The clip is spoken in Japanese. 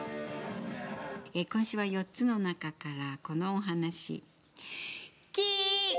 今週は４つの中からこのお話、「喜」！